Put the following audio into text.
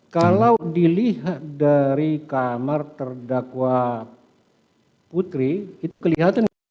kalau dilihat dari kamar terdakwa putri itu kelihatan